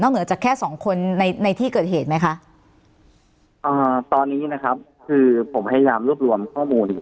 เหนือจากแค่สองคนในในที่เกิดเหตุไหมคะอ่าตอนนี้นะครับคือผมพยายามรวบรวมข้อมูลอยู่